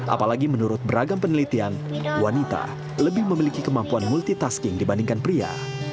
apalagi menurut beragam penelitian wanita lebih memiliki kemampuan multitasking dibandingkan pria